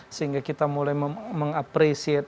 sehingga kita mulai mengapresiasi